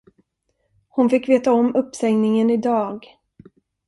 Hon fick veta om uppsägningen i dag.